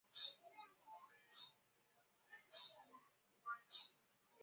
卷毛豇豆为豆科豇豆属的植物。